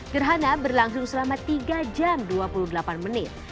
gerhana berlangsung selama tiga jam dua puluh delapan menit